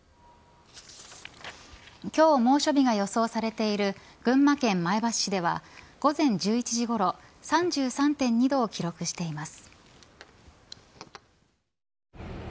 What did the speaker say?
今日、猛暑日が予想されている群馬県前橋市では午前１１時ごろ３３．２度を記録しています。